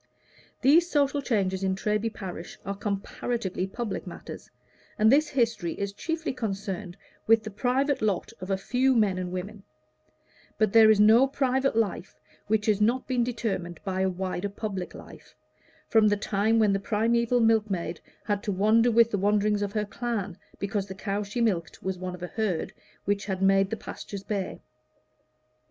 These social changes in Treby parish are comparatively public matters, and this history is chiefly concerned with the private lot of a few men and women; but there is no private life which has not been determined by a wider public life, from the time when the primeval milkmaid had to wander with the wanderings of her clan, because the cow she milked was one of a herd which had made the pastures bare.